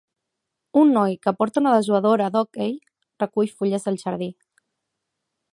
Un noi que porta una dessuadora d'hoquei recull fulles del jardí.